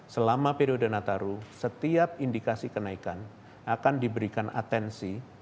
selama periode nataru setiap indikasi kenaikan akan diberikan atensi